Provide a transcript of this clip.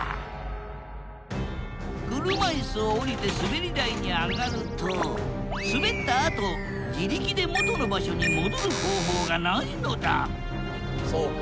車いすを降りてすべり台に上がるとすべったあと自力で元の場所に戻る方法がないのだそうか。